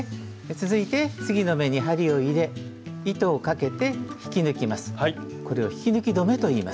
続いて次の目に針を入れ糸をかけて引き抜きます。